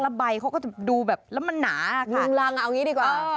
แล้วใบเขาก็จะดูแบบแล้วมันหนาคลุมรังเอาอย่างนี้ดีกว่า